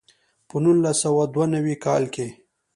په نولس سوه دوه نوي کال کې.